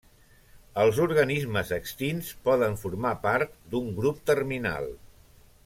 Els organismes extints poden formar part d'un grup terminal.